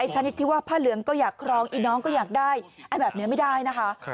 ชนิดที่ว่าผ้าเหลืองก็อยากครองอีน้องก็อยากได้แบบนี้ไม่ได้นะคะ